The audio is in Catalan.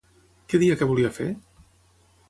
Què deia que volia fer?